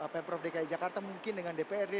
pemprov dki jakarta mungkin dengan dprd